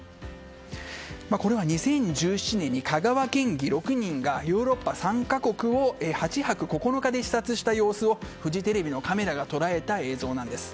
これは、２０１７年に香川県議６人がヨーロッパ３か国を８泊９日で視察した様子をフジテレビのカメラが捉えた映像です。